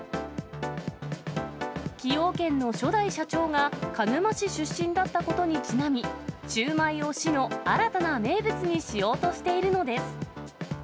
崎陽軒の初代社長が鹿沼市出身だったことにちなみ、シューマイを市の新たな名物にしようとしているのです。